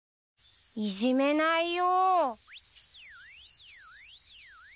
いじめないよ。